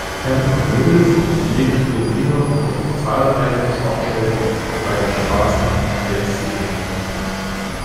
Pam Cornelissen legt den Finger auf zahlreiche Schwachstellen bei der Straßenverkehrssicherheit.